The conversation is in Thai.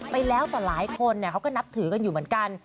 ไปแล้วต่อหลายคนเขาก็นับถือกันอยู่เหมือนกัน